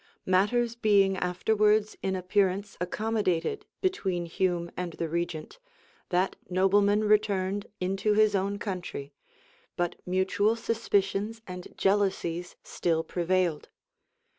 Matters being afterwards in appearance accommodated between Hume and the regent, that nobleman returned into his own country; but mutual suspicions and jealousies still prevailed.